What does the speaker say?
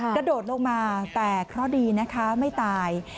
กระโดดลงมาแต่เคราะห์ดีนะคะไม่ตาย